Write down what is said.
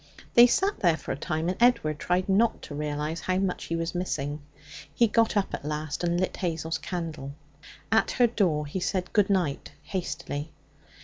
They sat there for a time and Edward tried not to realize how much he was missing. He got up at last and lit Hazel's candle. At her door he said good night hastily.